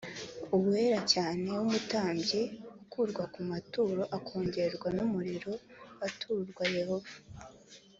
wera cyane w umutambyi ukurwa ku maturo akongorwa n umuriro aturwa yehova